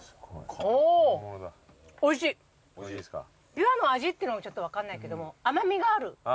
びわの味ってのちょっと分かんないけども甘味がある。